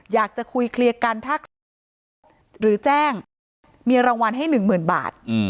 อยากจะคุยเคลียร์กันถ้าใครพบหรือแจ้งมีรางวัลให้๑๐๐๐บาท